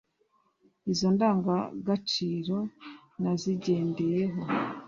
izo ndangagaciro nazigendeyeho